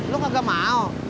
lo gak mau